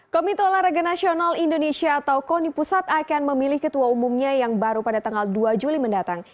komite olahraga nasional indonesia atau koni pusat akan memilih ketua umumnya yang baru pada tanggal dua juli mendatang